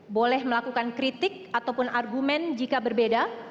boleh melakukan kritik ataupun argumen jika berbeda